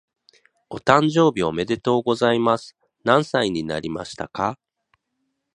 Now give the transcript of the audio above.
お誕生日おめでとうございます。何歳になりましたか？